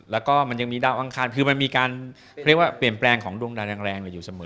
แล้วก็มันยังมีดาวอังคารคือมันมีการเรียกว่าเปลี่ยนแปลงของดวงดาวแรงอยู่เสมอ